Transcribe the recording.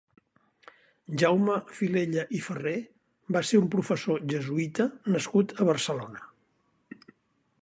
Jaume Filella i Ferrer va ser un professor jesuïta nascut a Barcelona.